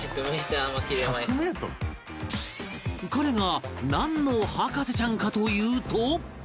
彼がなんの博士ちゃんかというと